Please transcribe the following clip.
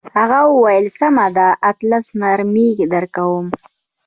هغه وویل سمه ده اتلس نمرې درکوم.